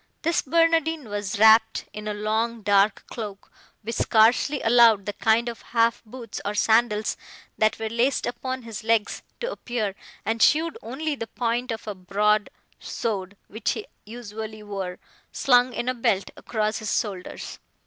This Barnardine was wrapt in a long dark cloak, which scarcely allowed the kind of half boots, or sandals, that were laced upon his legs, to appear, and showed only the point of a broad sword, which he usually wore, slung in a belt across his shoulders.